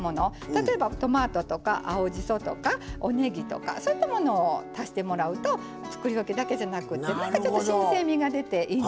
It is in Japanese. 例えばトマトとか青じそとかおねぎとかそういったものを足してもらうとつくりおきだけじゃなくて新鮮味が出ていいんですよ。